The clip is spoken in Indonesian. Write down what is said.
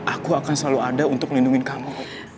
aku akan selalu ada untuk melindungi kamu